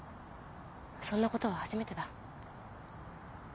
そんなことは初めてだ。